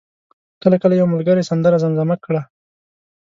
کله کله یو ملګری سندره زمزمه کړه.